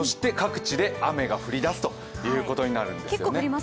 各地で雨が降りだすということになるんですよね。